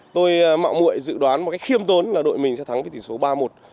tôi mạo mụi dự đoán một cách khiêm tốn là đội mình sẽ thắng với tỉ số ba một